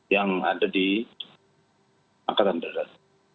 yang ada di angkatan darat